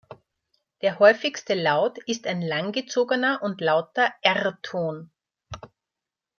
Der häufigste Laut ist ein langgezogener und lauter "rrr"-Ton.